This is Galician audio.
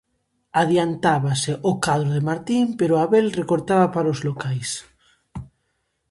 Adiantábase o cadro de Martín pero Abel recortaba para os locais.